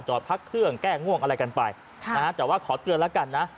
พักเครื่องแก้ง่วงอะไรกันไปแต่ว่าขอเตือนแล้วกันนะ